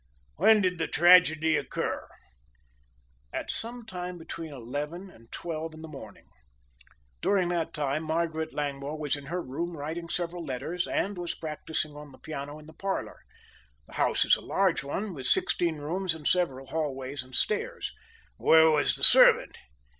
When did the tragedy occur?" "At some time between eleven and twelve in the morning. During that time Margaret Langmore was in her room writing several letters, and was practicing on the piano in the parlor. The house is a large one, with sixteen rooms and several hallways and stairs." "Where was the servant?"